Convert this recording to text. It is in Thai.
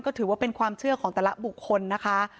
ก็ถือว่าเป็นความเชื่อของแต่ละบุคคลนะคะ